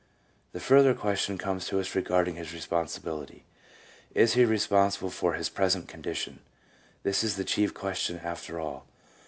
The further question comes to us regarding his responsibility, Is he responsible for his present condi tion ? This is the chief question after all.